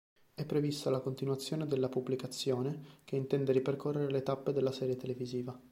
È prevista la continuazione della pubblicazione, che intende ripercorrere le tappe della serie televisiva.